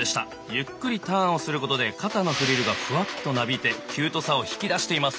ゆっくりターンをすることで肩のフリルがフワッとなびいてキュートさを引き出しています。